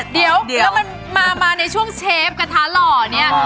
เดี๋ยวมันมาในช่วงเชฟกระทะหล่อเนี่ย